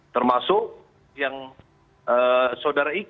termasuk yang saudara ika